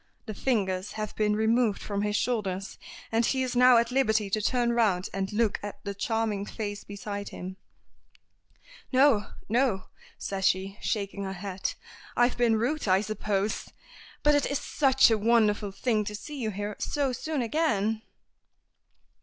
The fingers have been removed from his shoulders, and he is now at liberty to turn round and look at the charming face beside him. "No, no!" says she, shaking her head. "I've been rude, I suppose. But it is such a wonderful thing to see you here so soon again."